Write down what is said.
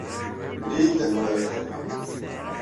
Mel-iyi-d anwa ara ferneɣ.